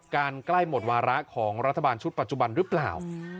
ใกล้หมดวาระของรัฐบาลชุดปัจจุบันหรือเปล่า